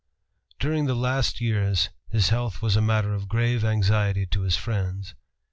During the last years his health was a matter of grave anxiety to his friends.